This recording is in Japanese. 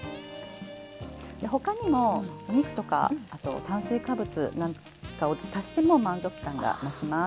で他にもお肉とか炭水化物なんかを足しても満足感が増します。